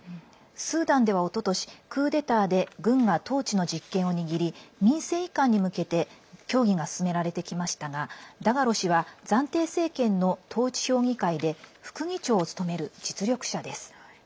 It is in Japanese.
スーダンではおととしクーデターで軍が統治の実権を握り民政移管に向けて協議が進められてきましたがダガロ氏は暫定政権の統治評議会で副議長を務める実力者です。